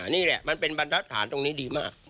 นี่แหละมันเป็นบรรทัศน์ตรงนี้ดีมาก